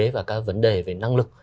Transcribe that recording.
và các vấn đề về năng lực